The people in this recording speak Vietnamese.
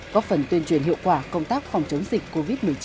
góp phần tuyên truyền hiệu quả công tác phòng chống dịch covid một mươi chín